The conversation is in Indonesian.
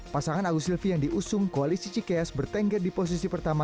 pasangan agus silvi yang diusung koalisi cikes bertengger di posisi pertama